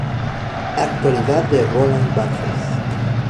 Actualidad de Roland Barthes.